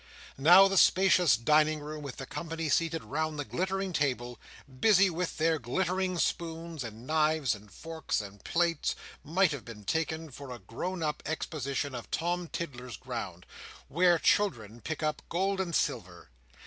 Now, the spacious dining room, with the company seated round the glittering table, busy with their glittering spoons, and knives and forks, and plates, might have been taken for a grown up exposition of Tom Tiddler's ground, where children pick up gold and silver.